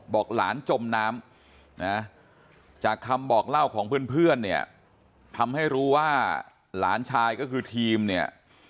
บอกหลานจมน้ำนะจากคำบอกเล่าของเพื่อนเนี่ยทำให้รู้ว่าหลานชายก็คือทีมเนี่ย